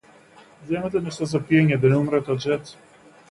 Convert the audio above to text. Земете нешто за пиење да не умрете од жед.